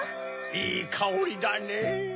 いいかおりだねぇ。